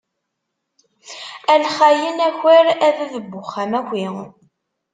A lxayen aker, a bab n uxxam aki!